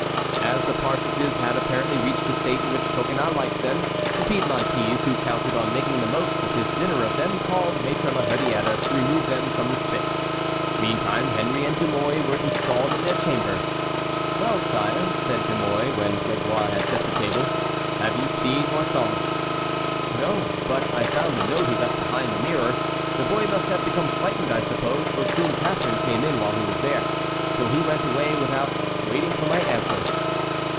As the partridges had apparently reached the state in which Coconnas liked them, the Piedmontese, who counted on making the most of his dinner of them, called Maître la Hurière to remove them from the spit. Meantime Henry and De Mouy were installed in their chamber. "Well, sire," said De Mouy, when Grégoire had set the table, "have you seen Orthon?" "No; but I found the note he left behind the mirror. The boy must have become frightened, I suppose, for Queen Catharine came in while he was there, so he went away without waiting for my answer."